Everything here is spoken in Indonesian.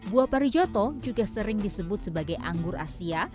buah parijoto juga sering disebut sebagai anggur asia